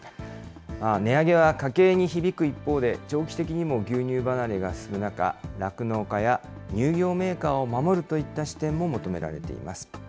値上げは家計に響く一方で、長期的にも牛乳離れが進む中、酪農家や乳業メーカーを守るといった視点も求められています。